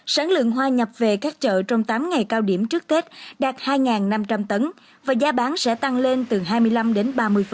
sáng lượng hoa nhập về các chợ trong tám ngày cao điểm trước tết đạt hai năm trăm linh tấn và giá bán sẽ tăng lên từ hai mươi năm đến ba mươi